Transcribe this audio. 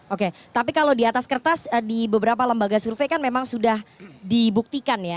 oke tapi kalau di atas kertas di beberapa lembaga survei kan memang sudah dibuktikan ya